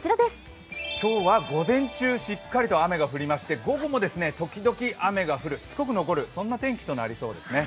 今日は午前中しっかりと雨が降りまして午後も時々雨が降る、しつこく残る天気となりそうです。